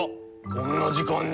こんな時間に？